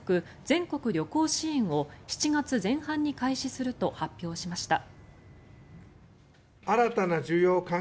全国旅行支援を７月前半に開始すると発表しました。